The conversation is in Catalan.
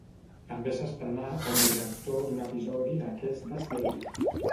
També s'estrenà com a director d'un episodi d'aquesta sèrie.